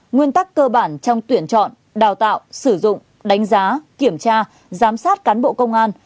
nguyên tắc cơ bản trong tuyển chọn đào tạo sử dụng đánh giá kiểm tra giám sát cán bộ công an